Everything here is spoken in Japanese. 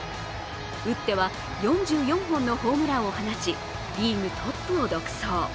打っては、４４本のホームランを放ちリーグトップを独走。